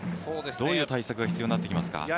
どういう対策が必要になってきますか。